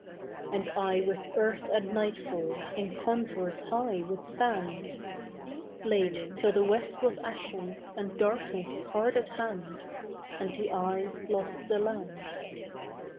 And I with earth and nightfall In converse high would stand, Late, till the west was ashen And darkness hard at hand, And the eye lost the land.